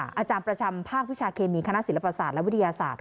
อาจารย์ประจำภาควิชาเคมีคณะศิลปศาสตร์และวิทยาศาสตร์